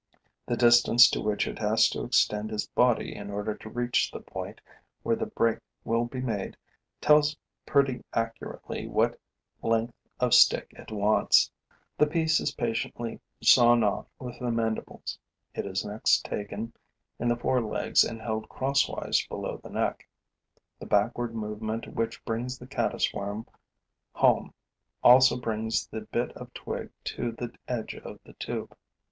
The distance to which it has to extend its body in order to reach the point where the break will be made tells it pretty accurately what length of stick it wants. The piece is patiently sawn off with the mandibles; it is next taken in the fore legs and held crosswise below the neck. The backward movement which brings the caddis worm home also brings the bit of twig to the edge of the tube.